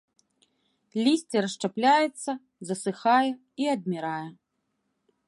Лісце расшчапляецца, засыхае і адмірае.